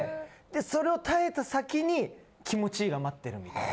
それを耐えた先に気持ちいいが待ってるみたいな。